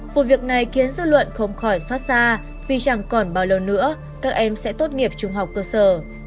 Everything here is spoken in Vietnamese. vụ việc này khiến dư luận không khỏi xót xa vì chẳng còn bao lâu nữa các em sẽ tốt nghiệp trung học cơ sở